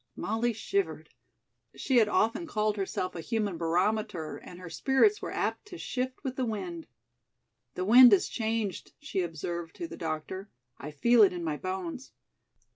Molly shivered. She had often called herself a human barometer and her spirits were apt to shift with the wind. "The wind has changed," she observed to the doctor. "I feel it in my bones."